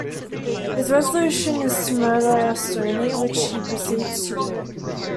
His resolution is to murder Sterni, which he proceeds to do.